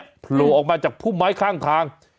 แต่คนนี้หลวงออกมาจากผู้ไม้ข้างทาง